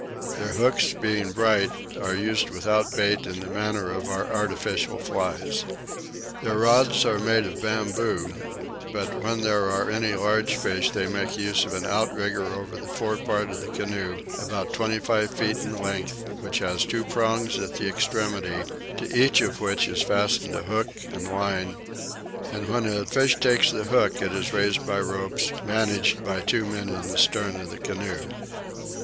Their hooks being bright are used without bait in the manner of our artificial flies. Their rods are made of bamboo; but when there are any very large fish they make use of an outrigger over the fore part of the canoe, about twenty five feet in length, which has two prongs at the extremity, to each of which is fastened a hook and line; and when a fish takes the hook it is raised by ropes managed by two men in the stern of the canoe.